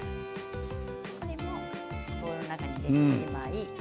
これもボウルの中に入れてしまい。